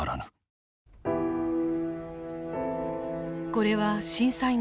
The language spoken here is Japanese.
これは震災後